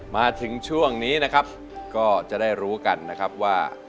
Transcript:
มาถึงช่วงนี้นะครับก็จะได้รู้กันนะครับว่า